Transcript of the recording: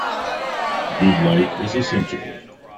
Good light is essential.